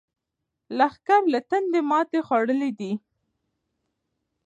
لښکر له تندې ماتې خوړلې ده.